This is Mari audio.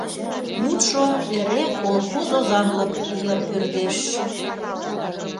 Мутшо эре колхоз озанлык йыр пӧрдеш.